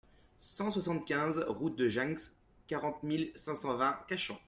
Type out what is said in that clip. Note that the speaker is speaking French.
cent soixante-quinze route de Ginx, quarante mille cent vingt Cachen